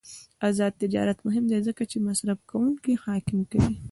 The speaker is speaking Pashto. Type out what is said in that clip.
آزاد تجارت مهم دی ځکه چې مصرفکونکي حاکم کوي.